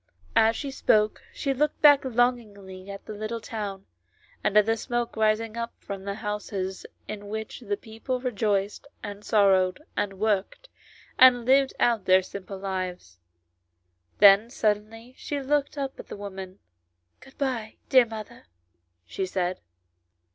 As she spoke she looked back longingly at the little town, and at the smoke rising up from the houses in which the people rejoiced, and sorrowed, and worked, and lived out their simple lives. Then suddenly she looked up at the woman. "Good bye, dear mother," she said.